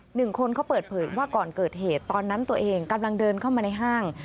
หนึ่งคนเขาเปิดเผยว่าก่อนเกิดเหตุตอนนั้นตัวเองกำลังเดินเข้ามาในห้าง